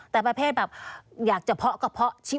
แต่ประเภทแบบอยากจะเพาะกระเพาะชิด